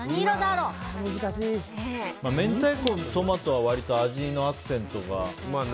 明太子、トマトは割と味のアクセントが。